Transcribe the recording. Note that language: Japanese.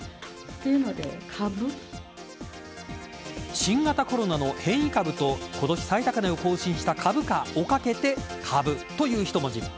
新型コロナの変異株と今年最高値を更新した株価をかけて株という一文字。